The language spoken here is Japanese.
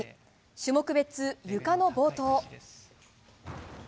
種目別ゆかの冒頭。